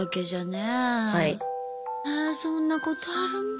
えそんなことあるんだ。